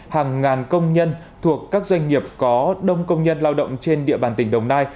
hàng ngàn công nhân thuộc các doanh nghiệp có đông công nhân lao động trên địa bàn tỉnh đồng nai